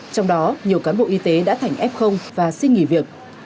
trong đó nhiều cán bộ y tế đã thành f và xin nghỉ việc